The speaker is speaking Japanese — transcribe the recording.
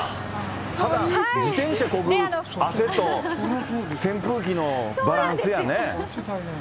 ただ自転車こぐ汗と扇風機のバランスやね。